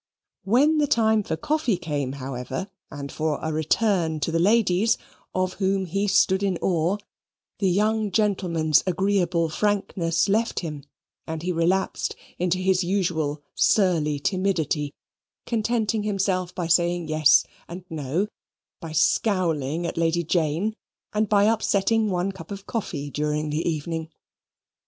When the time for coffee came, however, and for a return to the ladies, of whom he stood in awe, the young gentleman's agreeable frankness left him, and he relapsed into his usual surly timidity; contenting himself by saying yes and no, by scowling at Lady Jane, and by upsetting one cup of coffee during the evening.